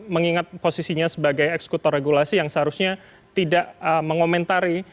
mengingat posisinya sebagai eksekutor regulasi yang seharusnya tidak mengomentari